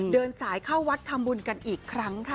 เดินสายเข้าวัดทำบุญกันอีกครั้งค่ะ